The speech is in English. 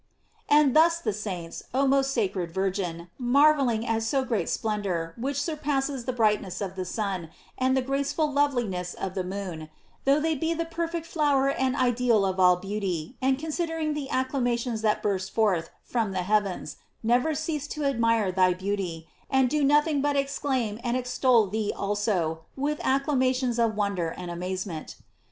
And thus the saints, oh most sacred Virgin, marvelling at so great splendor which surpasses the brightness of the sun, and the graceful love liness of the moon, though they be the perfect flower and ideal of all beauty, and considering the acclamations that burst forth from the heavens, never ceased to admire thy beauty, and do nothing but exclaim, and extol thee also, with acclamations of wonder and amazement.